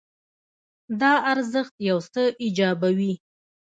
دا ارزښت یو څه ایجابوي.